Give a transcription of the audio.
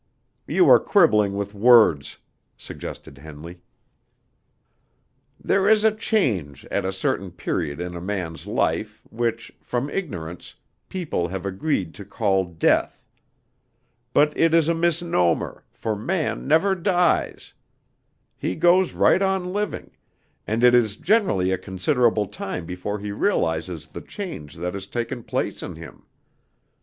"You are quibbling with words," suggested Henley. "There is a change at a certain period in a man's life, which, from ignorance, people have agreed to call death. But it is a misnomer, for man never dies. He goes right on living; and it is generally a considerable time before he realizes the change that has taken place in him.